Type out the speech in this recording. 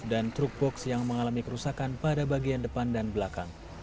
dan truk box yang mengalami kerusakan pada bagian depan dan belakang